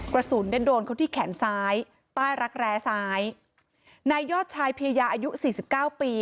กระสุนได้โดนเขาที่แขนซ้ายใต้รักแร้ซ้ายนายยอดชายเพยาอายุสี่สิบเก้าปี